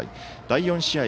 第４試合